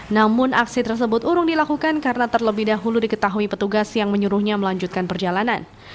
namun aksi tersebut urung dilakukan karena terlebih dahulu diketahui petugas yang menyuruhnya melanjutkan perjalanan